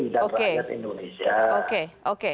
dan rakyat indonesia